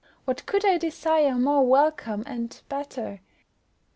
What could I desire more welcome and better?